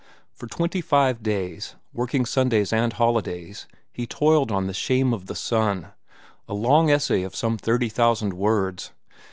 For twenty five days, working Sundays and holidays, he toiled on "The Shame of the Sun," a long essay of some thirty thousand words.